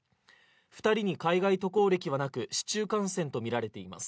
２人に海外渡航歴はなく市中感染とみられています。